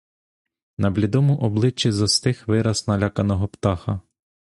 На блідому обличчі застиг вираз наляканого птаха.